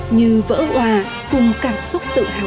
như vỡ hòa cùng cảm xúc tự hào đó